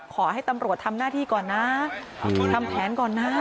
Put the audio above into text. ขอให้ตำรวจทำหน้าที่ก่อนนะทำแผนก่อนนะ